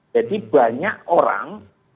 jadi banyak orang